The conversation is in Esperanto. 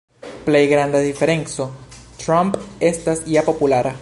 Plej granda diferenco: Trump estas ja populara.